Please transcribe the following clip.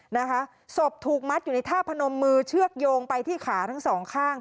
นะคะศพถูกมัดอยู่ในท่าพนมมือเชือกโยงไปที่ขาทั้งสองข้าง